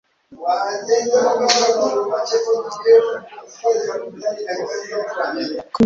kubigeraho ngo bifashe kubatunga mu mibereho yabo ya buri munsi kandi bagakomeza kubishoramo Imari itubutse.